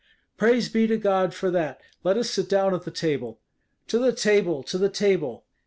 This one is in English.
"Praise be to God for that! let us sit down at the table." "To the table! to the table!"